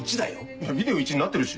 いやビデオ１になってるし。